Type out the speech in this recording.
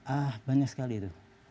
ah banyak sekali itu